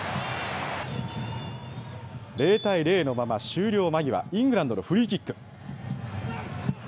０対０のまま終了間際、イングランドのフリーキック。